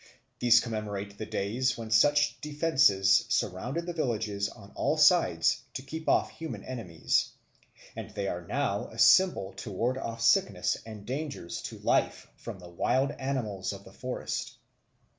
These commemorate the days when such defences surrounded the villages on all sides to keep off human enemies, and they are now a symbol to ward off sickness and dangers to life from the wild animals of the forest.